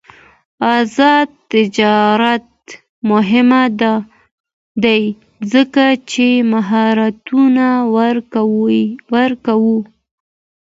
آزاد تجارت مهم دی ځکه چې مهارتونه ورکوي.